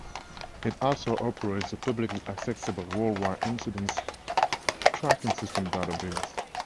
It also operates the publicly accessible Worldwide Incidents Tracking System database.